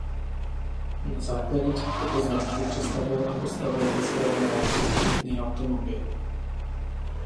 Na základě těchto poznatků přestavěl a postavil dle svého návrhu obytný automobil.